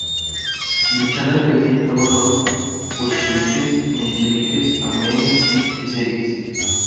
Luchando entre sí estaban los bolcheviques, mencheviques, armenios y azeríes.